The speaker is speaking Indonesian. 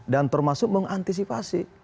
dan termasuk mengantisipasi